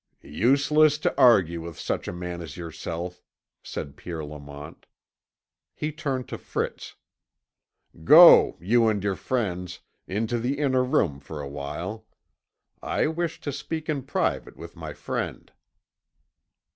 "Useless to argue with such a man as yourself," said Pierre Lamont. He turned to Fritz. "Go, you and your friends, into the inner room for a while. I wish to speak in private with my friend."